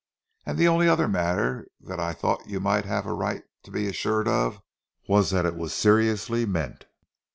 And the only other matter that I thought you had a right to be assured of was that it was seriously meant.